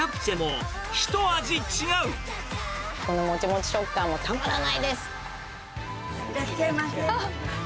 このもちもち食感がたまらないらっしゃいませ。